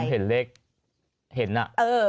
เห็นเลขเห็นน่ะ